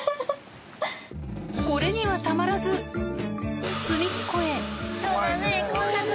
これにはたまらず隅っこへ怖いね。